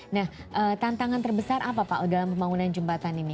nah tantangan terbesar apa pak dalam pembangunan jembatan ini